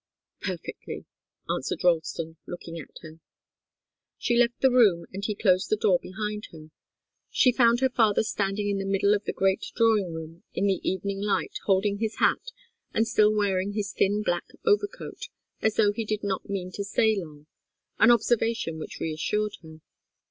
"Perfectly," answered Ralston, looking at her. She left the room and he closed the door behind her. She found her father standing in the middle of the great drawing room, in the evening light, holding his hat, and still wearing his thin black overcoat, as though he did not mean to stay long an observation which reassured her.